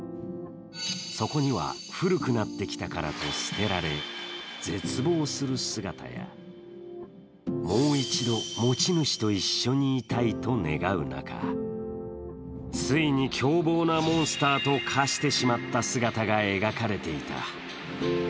そこには、古くなってきたからと捨てられ、絶望する姿やもう一度、持ち主と一緒にいたいと願う中、ついに凶暴なモンスターと化してしまった姿が描かれていた。